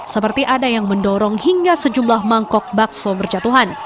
seperti ada yang mendorong hingga sejumlah mangkok bakso berjatuhan